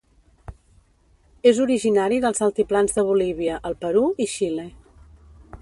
És originari dels altiplans de Bolívia, el Perú i Xile.